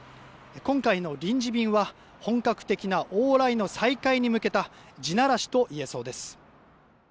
今回の臨時便は本格的な往来の再開に向けた地ならしといえそうです。